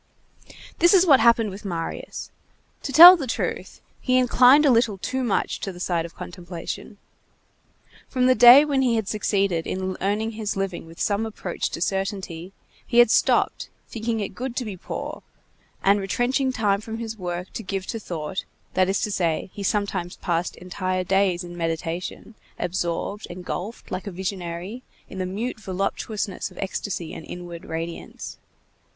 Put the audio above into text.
This is what had happened with Marius. To tell the truth, he inclined a little too much to the side of contemplation. From the day when he had succeeded in earning his living with some approach to certainty, he had stopped, thinking it good to be poor, and retrenching time from his work to give to thought; that is to say, he sometimes passed entire days in meditation, absorbed, engulfed, like a visionary, in the mute voluptuousness of ecstasy and inward radiance.